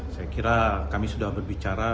saya kira kami sudah berbicara